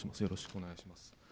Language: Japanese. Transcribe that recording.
よろしくお願いします。